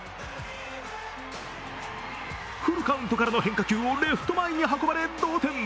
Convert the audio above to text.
フルカウントからの変化球をレフト前に運ばれ同点。